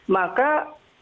maka itu akan berarti